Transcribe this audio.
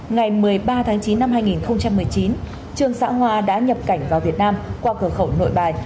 ngày một mươi ba tháng chín năm hai nghìn một mươi chín trương xã hoa đã nhập cảnh vào việt nam qua cửa khẩu nội bài